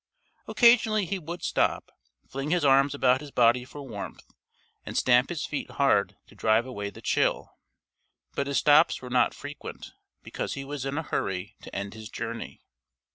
Occasionally he would stop, fling his arms about his body for warmth, and stamp his feet hard to drive away the chill. But his stops were not frequent, because he was in a hurry to end his journey.